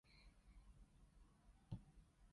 我知錯喇老婆，以後唔敢喇